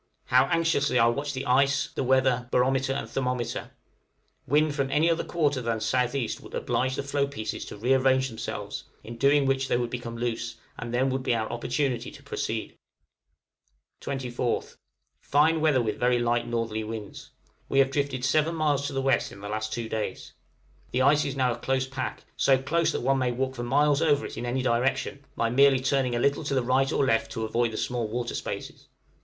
How anxiously I watch the ice, weather, barometer, and thermometer! Wind from any other quarter than S.E. would oblige the floe pieces to rearrange themselves, in doing which they would become loose, and then would be our opportunity to proceed. 24th. Fine weather with very light northerly winds. We have drifted 7 miles to the west in the last two days. The ice is now a close pack, so close that one may walk for many miles over it in any direction, by merely turning a little to the right or left to avoid the small water spaces.